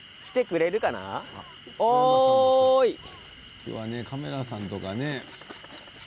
今日はカメラさんとかね。